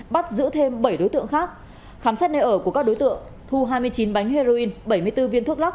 bắt giữ thêm bảy đối tượng khác khám xét nơi ở của các đối tượng thu hai mươi chín bánh heroin bảy mươi bốn viên thuốc lắc